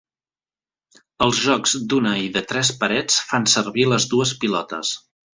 Els jocs d'una i de tres parets fan servir les dues pilotes.